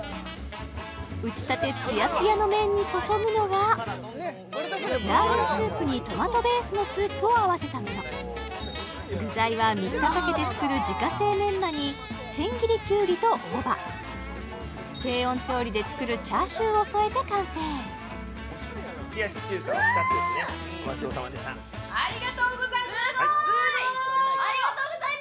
打ち立てツヤツヤの麺に注ぐのはラーメンスープにトマトベースのスープを合わせたもの具材は３日かけて作る自家製メンマに千切りキュウリと大葉低温調理で作るチャーシューを添えて完成冷やし中華お２つですねお待ちどおさまでしたありがとうございますすごい！